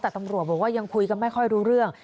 แต่ตำรวจบอกว่ายังคุยกันไม่ค่อยรู้เรื่อง